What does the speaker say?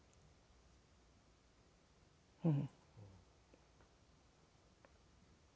うん。